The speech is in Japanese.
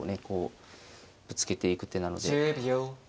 こうぶつけていく手なので。